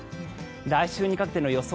来週にかけての予想